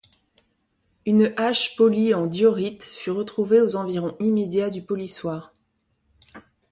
Une hache polie en diorite fut retrouvée aux environs immédiat du polissoir.